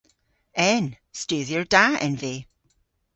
En. Studhyer da en vy.